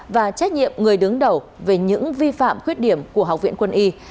và trách nhiệm người đứng đầu về những vi phạm khuyết điểm của học viện quân y